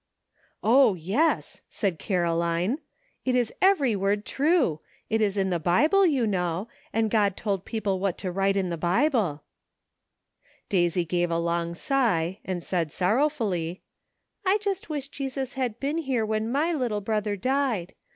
" O, yes!" said Caroline, "it is every word true; it is in the Bible, you know, and God told people what to write in the Bible." Daisy gave a long sigh, and said sorrowfully : NIGHT WORK, 105 "I just wish Jesus had been here when my little brother died.